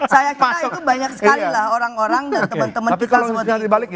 saya kira itu banyak sekali lah orang orang dan teman teman kita semua